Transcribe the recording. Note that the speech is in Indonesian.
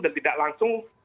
dan tidak langsung